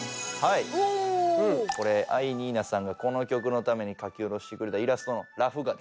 これ藍にいなさんがこの曲のために描き下ろしてくれたイラストのラフ画です。